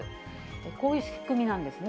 こういう仕組みなんですね。